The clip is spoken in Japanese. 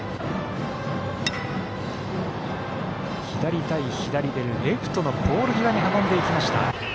左対左で、レフトのポール際に運んでいきました。